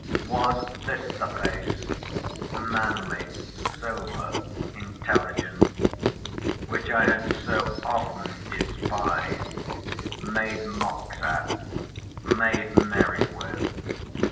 Was this the face—manly, sober, intelligent,—which I had so often despised, made mocks at, made merry with?